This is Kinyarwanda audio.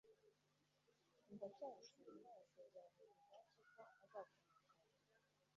ndacyayisenga yasezeranije jaki ko azataha kare